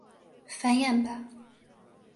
繁衍吧！